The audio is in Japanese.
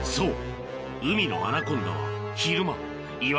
そう。